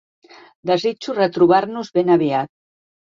Desitjo retrobar-nos ben aviat!